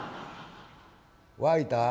「沸いた？